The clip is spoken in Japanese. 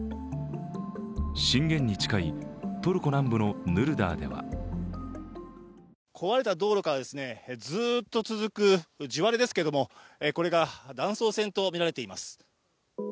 震源に近いトルコ南部のヌルダーでは壊れた道路からずっと続く地割れですけれども、これが断層線とみられています。